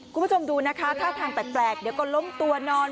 คุณผู้ชมดูนะคะท่าทางแปลกเดี๋ยวก็ล้มตัวนอน